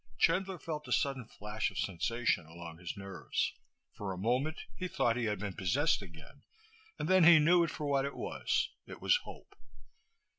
Chandler felt a sudden flash of sensation along his nerves. For a moment he thought he had been possessed again, and then he knew it for what it was. It was hope.